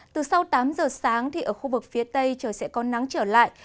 từ sau tám giờ sáng thì ở khu vực phía tây trời sẽ có nắng trở lại